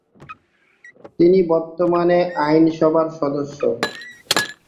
তিনি বর্তমানে আইনসভার সদস্য।